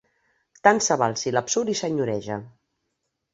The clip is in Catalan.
Tant se val si l'absurd hi senyoreja.